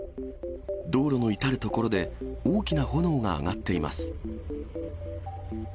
道路の至る所で大きな炎が上がっています。